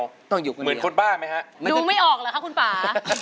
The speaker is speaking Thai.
ต้องอยู่คนเดียวมีเหมือนคนบ้าไหมครับไม่ได้ดูไม่ออกเหรอคะคุณป่า